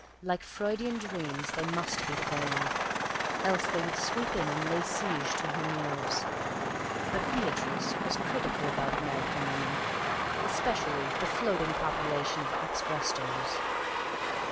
Like Freudian dreams, they must be thrown off, else they would sweep in and lay siege to her nerves. But Beatrice was critical about American women, especially the floating population of ex Westerners.